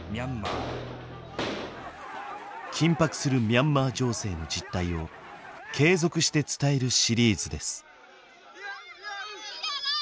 緊迫するミャンマー情勢の実態を継続して伝えるシリーズです。